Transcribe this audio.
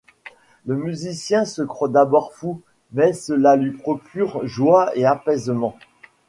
Le musicien se croit d’abord fou, mais cela lui procure joie et apaisement.